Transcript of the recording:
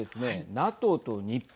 ＮＡＴＯと日本